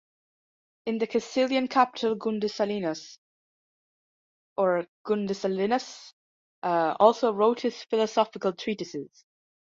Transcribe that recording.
In the Castilian capital, Gundissalinus also wrote his philosophical treatises.